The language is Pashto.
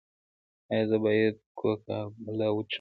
ایا زه باید کوکا کولا وڅښم؟